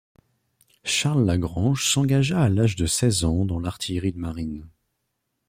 Charles Lagrange s'engagea à l'âge de seize ans dans l'artillerie de marine.